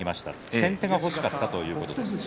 先手が欲しかったということです。